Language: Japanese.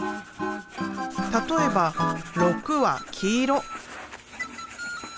例えば６は黄色。